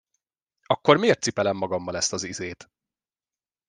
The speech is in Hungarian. Akkor miért cipelem magammal ezt az izét?